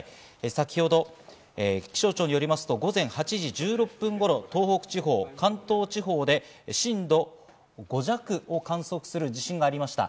先ほど気象庁によりますと、午前８時１６分頃、東北地方、関東地方で震度５弱を観測する地震がありました。